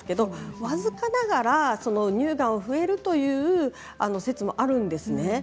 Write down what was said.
僅かながら乳がんが増えるという説もあるんですね。